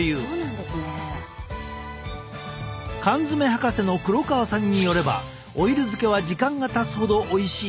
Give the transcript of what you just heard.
缶詰博士の黒川さんによればオイル漬けは時間がたつほどおいしいそう。